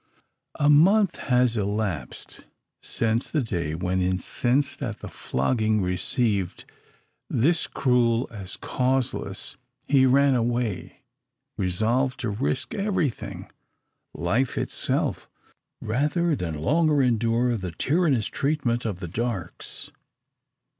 A month has elapsed since the day when, incensed at the flogging received this cruel as causeless he ran away, resolved to risk everything, life itself, rather than longer endure the tyrannous treatment of the Darkes.